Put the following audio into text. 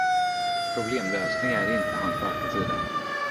Problemlösning är inte hans starka sida.